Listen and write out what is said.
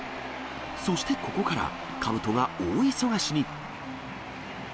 そしてここから、かぶとが大忙しに。